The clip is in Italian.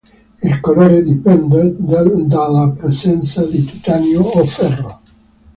Il colore dipende dalla presenza di titanio o ferro.